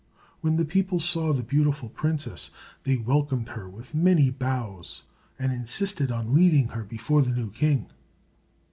When the people saw the beautiful princess, they welcomed her with many bows, and insisted on leading her before the new king.